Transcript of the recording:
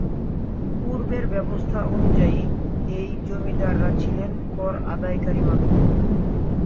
পূর্বের ব্যবস্থা অনুযায়ী এই জমিদাররা ছিলেন কর-আদায়কারী মাত্র।